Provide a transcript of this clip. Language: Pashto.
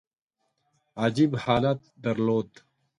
عجیب حالت درلود.